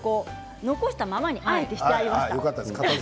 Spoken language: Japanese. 残したままにあえてしてありました。